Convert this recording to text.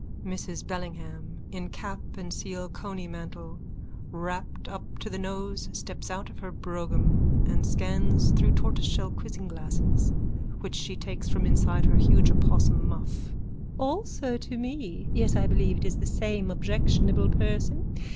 MRS BELLINGHAM: _(In cap and seal coney mantle, wrapped up to the nose, steps out of her brougham and scans through tortoiseshell quizzing glasses which she takes from inside her huge opossum muff.)_ Also to me. Yes, I believe it is the same objectionable person.